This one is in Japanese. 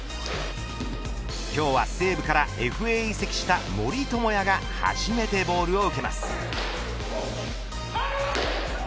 今日は西武からＦＡ移籍した森友哉が初めてボールを受けます。